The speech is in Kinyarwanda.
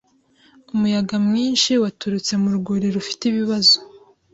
Umuyaga mwinshi waturutse mu rwuri rufite ibibazo